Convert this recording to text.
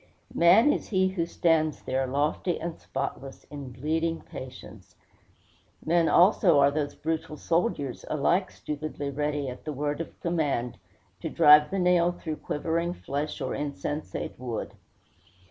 Man is he who stands there, lofty and spotless, in bleeding patience! Men also are those brutal soldiers, alike stupidly ready, at the word of command, to drive the nail through quivering flesh or insensate wood.